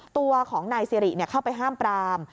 ตัวของนายสิริเข้าไปห้ามปราม